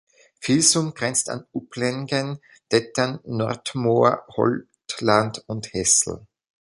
Filsum grenzt an Uplengen, Detern, Nortmoor, Holtland und Hesel.